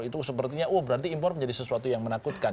itu sepertinya oh berarti impor menjadi sesuatu yang menakutkan